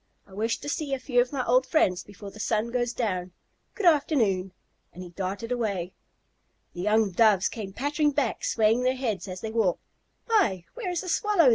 I wish to see a few of my old friends before the sun goes down. Good afternoon!" And he darted away. The young Doves came pattering back, swaying their heads as they walked. "Why, where is the Swallow?"